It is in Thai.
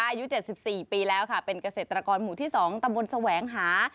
อายุเจ็ดสิบสี่ปีแล้วค่ะเป็นเกษตรกรหมู่ที่สองตะบนแสวงหา